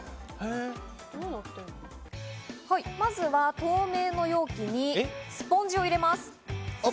まずは透明の容器にスポンジを入れます。